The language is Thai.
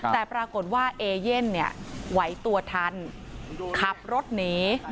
แต่ปรากฏว่าเอเย่นเนี่ยไหวตัวทันขับรถหนี